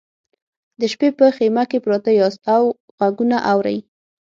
د شپې په خیمه کې پراته یاست او غږونه اورئ